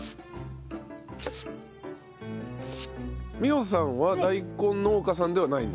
美穂さんは大根農家さんではないんですか？